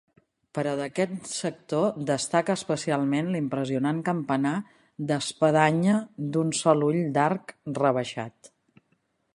Però d'aquest sector destaca especialment l'impressionant campanar d'espadanya d'un sol ull d'arc rebaixat.